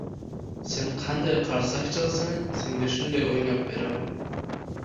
• Sen qanday qarsak chalsang, senga shunday o‘ynab beraman.